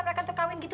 mereka terkawin gitu